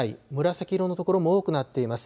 紫色の所も多くなっています。